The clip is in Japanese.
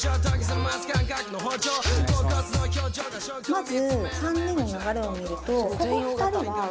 まず。